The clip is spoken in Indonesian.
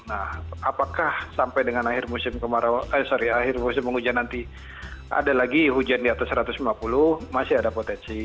nah apakah sampai dengan akhir musim penghujan nanti ada lagi hujan di atas satu ratus lima puluh masih ada potensi